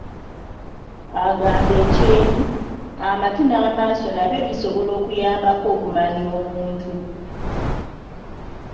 Agamba ekyenyi, amatu, n'amaaso nabyo bisobola okuyambako okumanya omuntu.